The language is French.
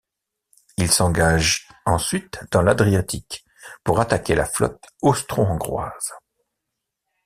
Il s’engage ensuite dans l’Adriatique pour attaquer la flotte austro-hongroise.